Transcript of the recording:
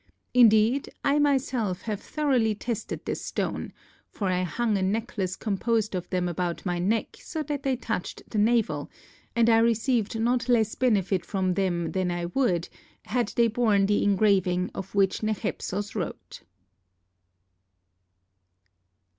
Indeed, I myself have thoroughly tested this stone, for I hung a necklace composed of them about my neck so that they touched the navel, and I received not less benefit from them than I would had they borne the engraving of which Nechepsos wrote.